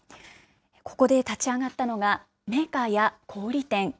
ここで立ち上がったのが、メーカーや小売り店。